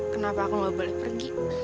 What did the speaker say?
kenapa aku nggak boleh pergi